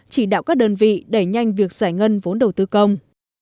chỉ đạo các đơn vị đẩy nhanh việc giải ngân vốn đầu tư công